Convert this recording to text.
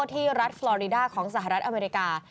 ที่รัฐฟลอริดาของสหรัฐอเมริกา